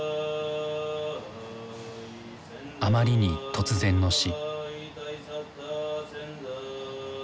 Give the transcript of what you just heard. あまりに突然の死。